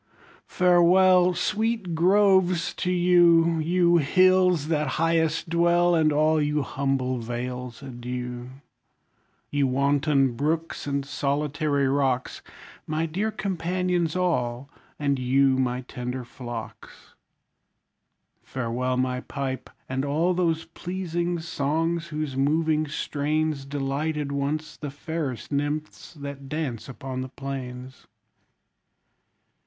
Farewell! Sweet groves, to you! You hills, that highest dwell; And all you humble vales, adieu! You wanton brooks, and solitary rocks, My dear companions all! and you, my tender flocks! Farewell my pipe, and all those pleasing songs, whose moving strains Delighted once the fairest nymphs that dance upon the plains!